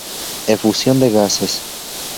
Efusión de gases.